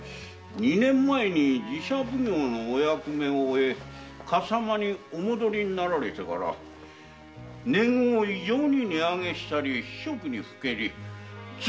二年前寺社奉行のお役目を終え笠間にお戻りになってから年貢を異常に値上げされ酒色に耽り罪